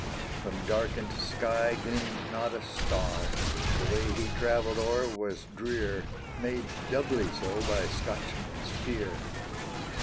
From darkened sky gleamed not a star; The way he travelled o'er was drear, Made doubly so by Scotchmen's fear.